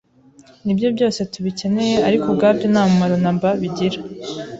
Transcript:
n’ibyo byose tubikeneye ariko ubwabyo nta mumaro namba bigira,